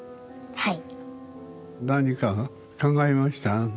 はい。